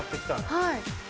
はい。